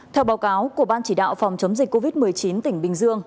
theo báo cáo của ban chỉ đạo phòng chống dịch covid một mươi chín tỉnh bình dương